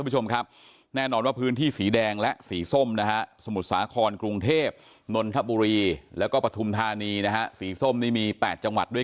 จริงพอฉีดเข็มแรกก็มีภูมิอยู่แล้ว